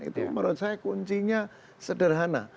itu menurut saya kuncinya sederhana